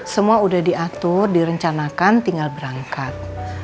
semua udah diatur direncanakan tinggal berangkat